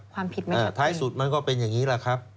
ความผิดไหมอ่าท้ายสุดมันก็เป็นอย่างนี้แหละครับ